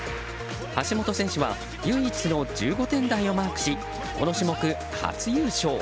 橋本選手は唯一の１５点台をマークしこの種目、初優勝。